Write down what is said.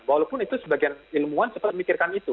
walaupun itu sebagian ilmuwan sempat memikirkan itu